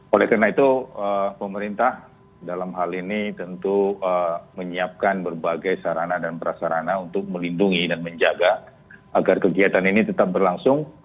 oleh karena itu pemerintah dalam hal ini tentu menyiapkan berbagai sarana dan prasarana untuk melindungi dan menjaga agar kegiatan ini tetap berlangsung